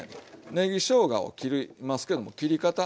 ねぎしょうがを切りますけども切り方。